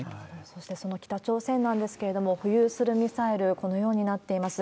そして、その北朝鮮なんですけれども、浮遊するミサイル、このようになっています。